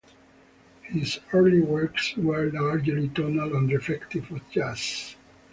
His early works were largely tonal and reflective of jazz.